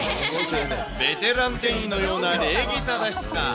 ベテラン店員のような礼儀正しさ。